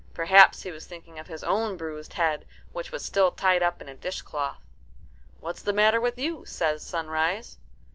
Perhaps he was thinking of his own bruised head, which was still tied up in a dishcloth. "What's the matter with you?" says Sunrise.